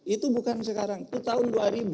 itu bukan sekarang itu tahun dua ribu dua puluh